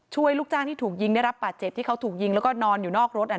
ลูกจ้างที่ถูกยิงได้รับบาดเจ็บที่เขาถูกยิงแล้วก็นอนอยู่นอกรถ